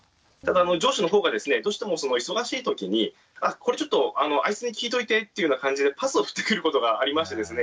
上司の方がですねどうしても忙しい時に「これちょっとあいつに聞いておいて」っていうような感じでパスをふってくることがありましてですね